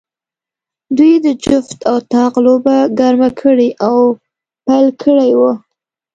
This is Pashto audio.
دوی د جفت او طاق لوبه ګرمه کړې او پیل کړې وه.